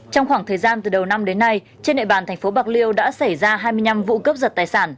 trong khoảng thời gian từ đầu năm đến nay trên nệ bàn tp bạc liêu đã xảy ra hai mươi năm vụ cướp giật tài sản